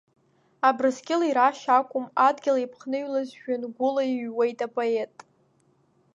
Абрыскьыл ирашь акәым, Адгьыл иаԥхныҩлаз жәҩангәыла, иҩуеит апоет.